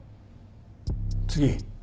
次。